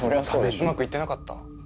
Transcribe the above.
うまくいってなかった？